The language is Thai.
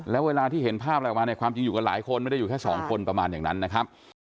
แล้วเวลาที่เห็นภาพอะไรออกมาเนี่ยความจริงอยู่กันหลายคนไม่ได้อยู่แค่สองคนประมาณอย่างนั้นนะครับ